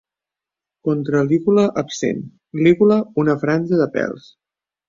Contra-lígula absent. Lígula una franja de pèls.